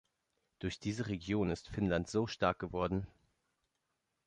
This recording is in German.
Durch diese Region ist Finnland so stark geworden.